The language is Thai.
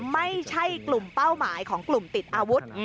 ไม่ใช่กลุ่มเป้าหมายของกลุ่มติดอาวุธ